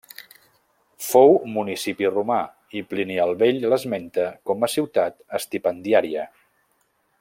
Fou municipi romà i Plini el vell l'esmenta com a ciutat estipendiària.